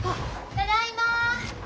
・ただいま！